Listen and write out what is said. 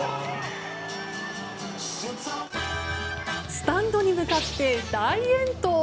スタンドに向かって大遠投。